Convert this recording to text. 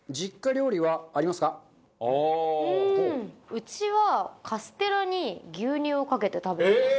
うちはカステラに牛乳をかけて食べてました。